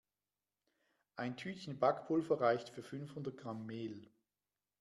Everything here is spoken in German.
Ein Tütchen Backpulver reicht für fünfhundert Gramm Mehl.